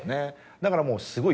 だからもうすごい。